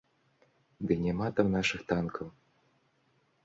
Ды няма там нашых танкаў!